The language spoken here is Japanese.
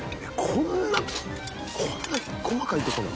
こんなこんな細かいとこなん？